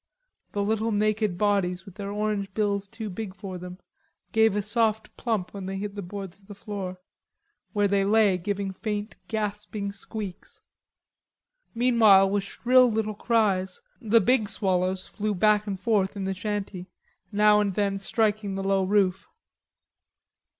The little naked bodies, with their orange bills too big for them, gave a soft plump when they hit the boards of the floor, where they lay giving faint gasping squeaks. Meanwhile, with shrill little cries, the big swallows flew back and forth in the shanty, now and then striking the low roof.